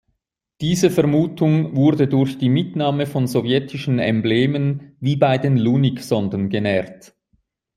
Diese Vermutung wurde durch die Mitnahme von sowjetischen Emblemen wie bei den Lunik-Sonden genährt.